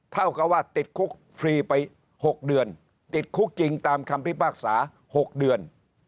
เท่ากับว่าติดคุกฟรีไป๖เดือนติดคุกจริงตามคำพิพากษา๖เดือน